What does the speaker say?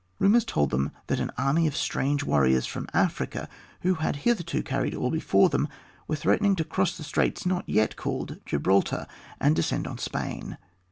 Rumors had told them that an army of strange warriors from Africa, who had hitherto carried all before them, were threatening to cross the straits not yet called Gibraltar, and descend on Spain.